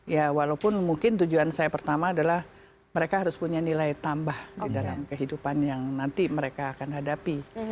ya walaupun mungkin tujuan saya pertama adalah mereka harus punya nilai tambah di dalam kehidupan yang nanti mereka akan hadapi